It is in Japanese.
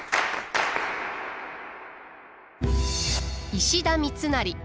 石田三成。